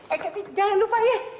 eh kevin jangan lupa ya